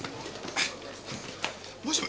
もしも。